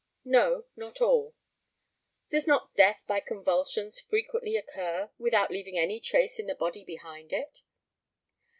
No, not all. Does not death by convulsions frequently occur without leaving any trace in the body behind it?